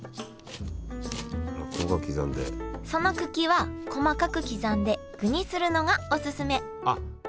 その茎は細かく刻んで具にするのがオススメあっ